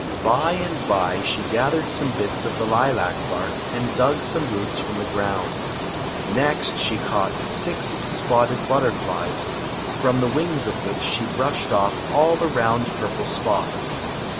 By and by she gathered some bits of the lilac bark, and dug some roots from the ground. Next sht caught six spotted butterflies, from the wings of which she brushed off all the round, purple spots.